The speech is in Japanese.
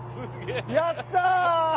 やった！